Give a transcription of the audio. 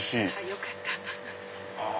よかった！